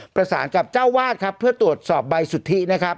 ประสานกับเจ้าวาดครับเพื่อตรวจสอบใบสุทธินะครับ